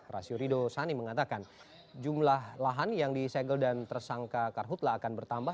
rasio rido sani mengatakan jumlah lahan yang disegel dan tersangka karhutlah akan bertambah